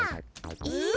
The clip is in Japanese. えっ？